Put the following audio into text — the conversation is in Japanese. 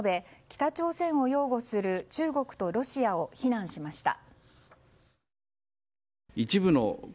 北朝鮮を擁護する中国とロシアを非難しました。